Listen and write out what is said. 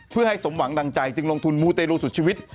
เพื่อให้สมหวังดังใจจึงลงทุนมูเตรลูสุดชีวิต